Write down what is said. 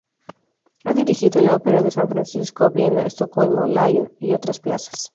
Ha dirigido en la Ópera de San Francisco, Viena, Estocolmo, Lyon y otras plazas.